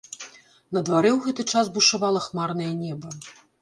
На дварэ ў гэты час бушавала хмарнае неба.